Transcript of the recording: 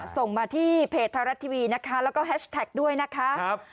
ส่งมาที่เพจไทยรัฐทีวีนะคะแล้วก็แฮชแท็กด้วยนะคะ